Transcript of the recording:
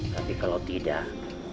tapi kalau tidak